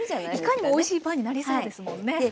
いかにもおいしいパンになりそうですもんね。